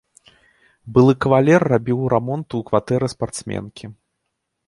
Былы кавалер рабіў рамонт у кватэры спартсменкі.